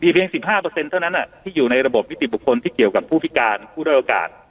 เพียง๑๕เท่านั้นที่อยู่ในระบบนิติบุคคลที่เกี่ยวกับผู้พิการผู้ด้อยโอกาส